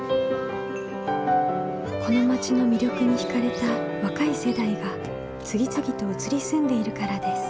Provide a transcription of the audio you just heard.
この町の魅力に惹かれた若い世代が次々と移り住んでいるからです。